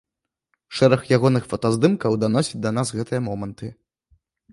Шэраг ягоных фотаздымкаў даносіць да нас гэтыя моманты.